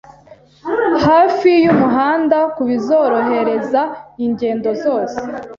hafi y’umuhanda ku bizorohereza ingendo zose